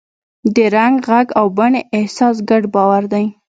د رنګ، غږ او بڼې احساس ګډ باور دی.